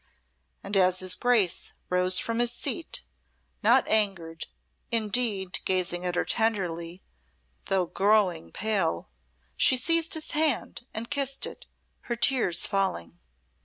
'" And as his Grace rose from his seat, not angered, indeed, gazing at her tenderly, though growing pale, she seized his hand and kissed it, her tears falling.